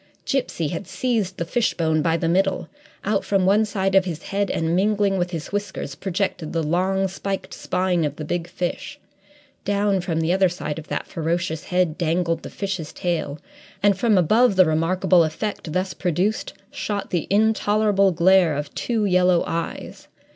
Gipsy had seized the fishbone by the middle. Out from one side of his head, and mingling with his whiskers, projected the long, spiked spine of the big fish: down from the other side of that ferocious head dangled the fish's tail, and from above the remarkable effect thus produced shot the intolerable glare of two yellow eyes.